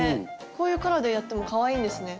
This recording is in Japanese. こういうカラーでやってもかわいいんですね。